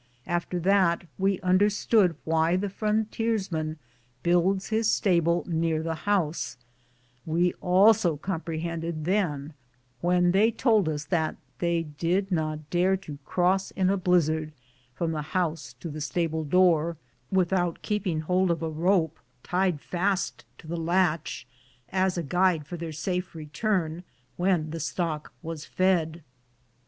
After that we understood why the frontiers man builds his stable near the house ; we also compre hended then when they told us that they did not dare to cross in a blizzard from the house to the stable door without keeping hold of a rope tied fast to the latch as a guide for their safe return when the stock was fed.